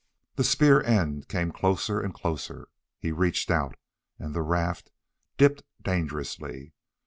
The spear end came closer, and closer.... He reached out and the raft dipped dangerously.